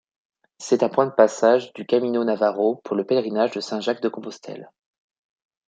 C'est un point de passage du Camino navarro pour le Pèlerinage de Saint-Jacques-de-Compostelle.